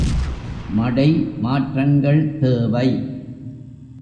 மடை மாற்றங்கள் தேவை.